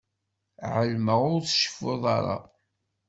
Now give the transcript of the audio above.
Ԑelmeɣ ur tceffuḍ ara.